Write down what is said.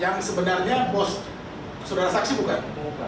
yang sebenarnya pos saudara saksi bukan